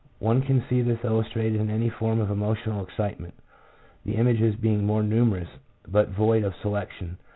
One can see this illustrated in any form of emotional excite ment, the images being more numerous, but void of selection.